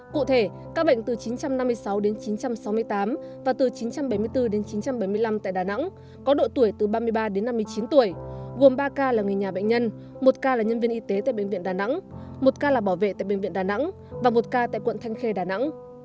cụ thể các bệnh từ chín trăm năm mươi sáu đến chín trăm sáu mươi tám và từ chín trăm bảy mươi bốn đến chín trăm bảy mươi năm tại đà nẵng có độ tuổi từ ba mươi ba đến năm mươi chín tuổi gồm ba ca là người nhà bệnh nhân một ca là nhân viên y tế tại bệnh viện đà nẵng một ca là bảo vệ tại bệnh viện đà nẵng và một ca tại quận thanh khê đà nẵng